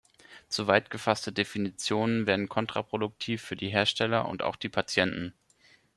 Zu weit gefasste Definitionen wären kontraproduktiv für die Hersteller und auch die Patienten.